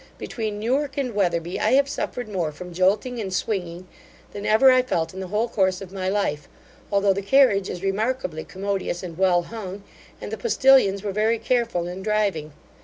Between Newark and Weatherby, I have suffered more from jolting and swinging than ever I felt in the whole course of my life, although the carriage is remarkably commodious and well hung, and the postilions were very careful in driving.